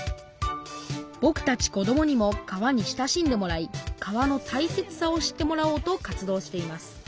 ぼくたち子どもにも川に親しんでもらい川のたいせつさを知ってもらおうと活動しています。